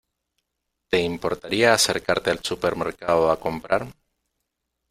¿Te importaría acercarte al supermercado a comprar?